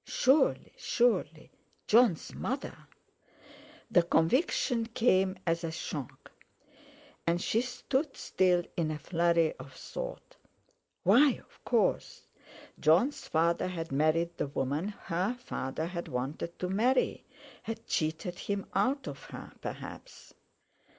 Surely—surely Jon's mother! The conviction came as a shock. And she stood still in a flurry of thought. Why, of course! Jon's father had married the woman her father had wanted to marry, had cheated him out of her, perhaps.